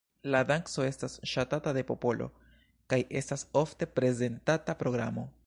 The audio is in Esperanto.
La danco estas ŝatata de popolo, kaj estas ofte prezentata programo.